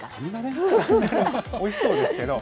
おいしそうですけど。